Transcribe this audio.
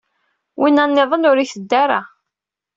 Winna nniḍen ur iteddu ara.